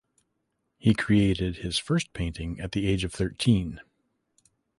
He created his first painting at the age of thirteen.